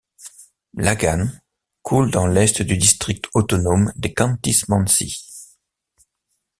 L'Agan coule dans l'est du district autonome des Khantys-Mansis.